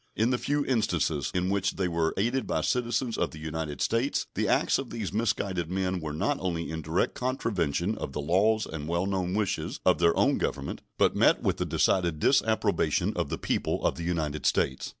In the few instances in which they were aided by citizens of the United States the acts of these misguided men were not only in direct contravention of the laws and well known wishes of their own Government, but met with the decided disapprobation of the people of the United States.